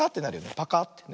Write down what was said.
パカッてね。